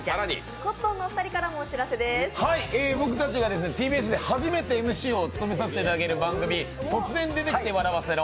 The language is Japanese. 僕たちがＴＢＳで初めてＭＣを務めさせていただく番組、「突然出てきて笑わせろ！